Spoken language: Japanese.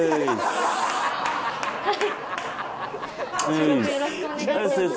収録よろしくお願いします。